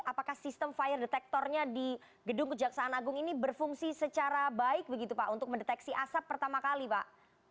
apakah sistem fire detectornya di gedung kejaksaan agung ini berfungsi secara baik begitu pak untuk mendeteksi asap pertama kali pak